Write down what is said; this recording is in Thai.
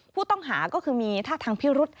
ผู้ต้องหาก็คือมีท่าทางพิรุษ